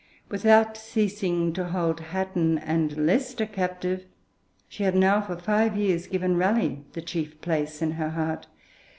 Without ceasing to hold Hatton and Leicester captive, she had now for five years given Raleigh the chief place in her heart.